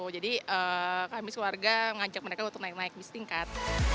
jadi kami sekeluarga ngajak mereka untuk naik naik bus tingkat